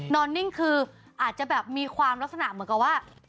นิ่งคืออาจจะแบบมีความลักษณะเหมือนกับว่า